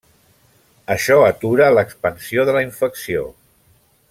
Això atura l'expansió de la infecció.